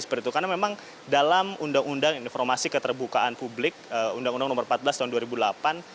karena memang dalam undang undang informasi keterbukaan publik undang undang no empat belas tahun dua ribu delapan